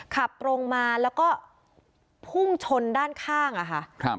ขับตรงมาแล้วก็พุ่งชนด้านข้างอะค่ะ